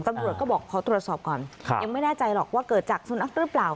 ตำรวจก็บอกขอตรวจสอบก่อนยังไม่แน่ใจหรอกว่าเกิดจากสุนัขหรือเปล่า